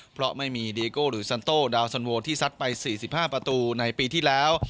เพราะไม่มีดีโก้หรือซันโต้ดาวสันโวที่ซัดไป๔๕ประตูในปีที่แล้ว